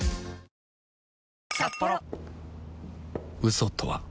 嘘とは